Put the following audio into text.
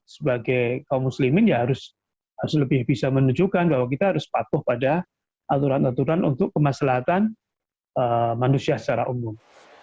sebagai kaum muslimin ya harus lebih bisa menunjukkan bahwa kita harus patuh pada aturan aturan untuk kemaslahatan manusia secara umum